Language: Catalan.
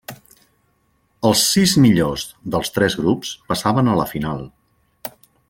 Els sis millors, dels tres grups, passaven a la final.